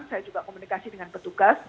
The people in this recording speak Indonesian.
saya juga komunikasi dengan petugas